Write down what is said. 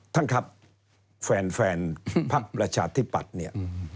ท่านครับแฟนผักประชาธิบัติ